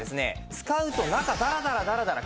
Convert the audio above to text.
使うと中ダラダラダラダラ